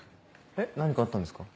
えっ何かあったんですか？